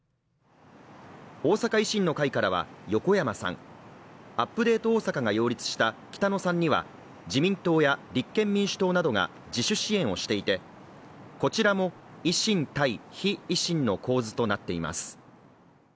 大阪維新の会からは横山さん、アップデートおおさかが擁立した北野さんには自民党や立憲民主党などが自主支援をしていて、こちらも維新対非維新の構図となっています。